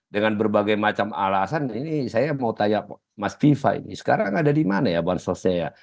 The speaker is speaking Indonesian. dengan berbagai macam alasan ini saya mau tanya mas viva ini sekarang ada di mana ya bansosnya ya